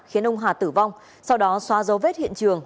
khiến ông hà tử vong sau đó xóa dấu vết hiện trường